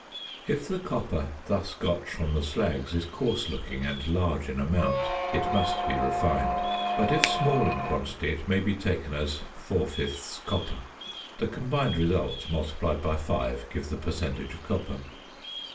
If the copper thus got from the slags is coarse looking and large in amount, it must be refined; but, if small in quantity, it may be taken as four fifths copper. The combined results multiplied by five give the percentage of copper.